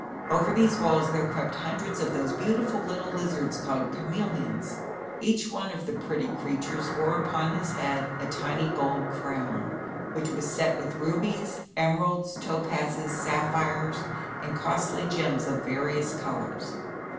Over these walls there crept hundreds of those beautiful little lizards called chameleons. Each one of the pretty creatures wore upon his head a tiny gold crown, which was set with rubies, emeralds, topazes, sapphires and costly gems of various colors.